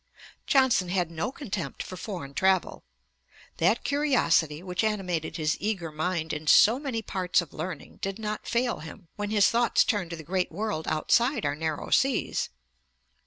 Johnson had no contempt for foreign travel. That curiosity which animated his eager mind in so many parts of learning did not fail him, when his thoughts turned to the great world outside our narrow seas.